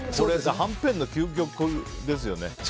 はんぺんの究極ですよね